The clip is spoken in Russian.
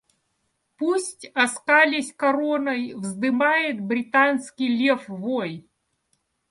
Пусть, оскалясь короной, вздымает британский лев вой.